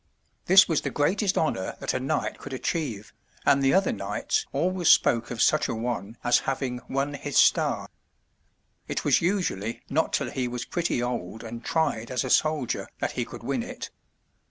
This was the greatest honor that a knight could achieve, and the other knights always spoke of such a one as having "won his star." It was usually not till he was pretty old and tried as a soldier that he could win it.